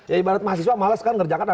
ya ibarat mahasiswa malas kan ngerjakan